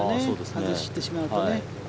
外してしまうとね。